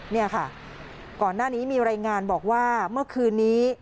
นี่ค่ะก่อนหน้านี้มีรายงานบอกว่าเมื่อคืนนี้